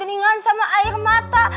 kedingin sama air mata